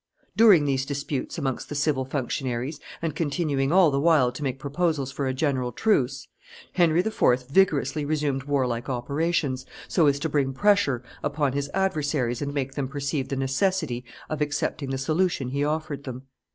During these disputes amongst the civil functionaries, and continuing all the while to make proposals for a general truce, Henry IV. vigorously resumed warlike operations, so as to bring pressure upon his adversaries and make them perceive the necessity of accepting the solution he offered them.